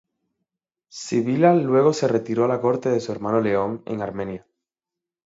Sibila luego se retiró a la corte de su hermano León en Armenia.